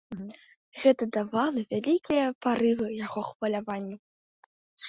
Гэта давала вялікія парывы яго хваляванню.